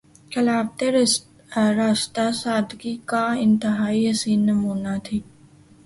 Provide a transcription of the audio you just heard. خلافت راشدہ سادگی کا انتہائی حسین نمونہ تھی۔